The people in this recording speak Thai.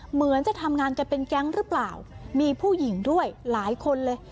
เหมือนจะทำงานกันเป็นแก๊งหรือเปล่ามีผู้หญิงด้วยหลายคนเลย